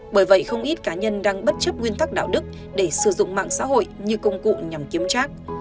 bởi vậy không ít cá nhân đang bất chấp nguyên tắc đạo đức để sử dụng mạng xã hội như công cụ nhằm kiếm trác